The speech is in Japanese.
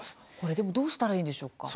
でもどうしたらいいんでしょうか。